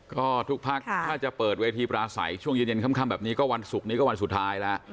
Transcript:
ก็ทุกพักถ้าจะเปิดเวทีปราศัยช่วงเย็นค่ำแบบนี้ก็วันศุกร์นี้ก็วันสุดท้ายแล้ว